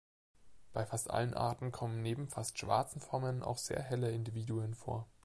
Bei fast allen Arten kommen neben fast schwarzen Formen auch sehr helle Individuen vor.